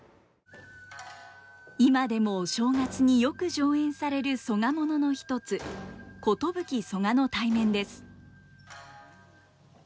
今でもお正月によく上演される曽我ものの一つ「寿曽我対面」です。